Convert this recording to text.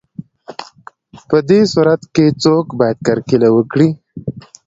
په دې صورت کې څوک باید کرکیله وکړي